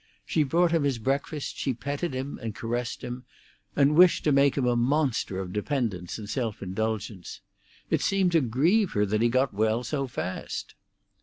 She brought him his breakfast, she petted him and caressed him, and wished to make him a monster of dependence and self indulgence. It seemed to grieve her that he got well so fast.